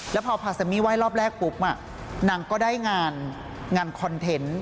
แล้วพอพาแซมมี่ไห้รอบแรกปุ๊บนางก็ได้งานงานคอนเทนต์